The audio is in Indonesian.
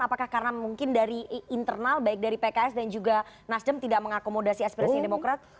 apakah karena mungkin dari internal baik dari pks dan juga nasdem tidak mengakomodasi aspirasi demokrat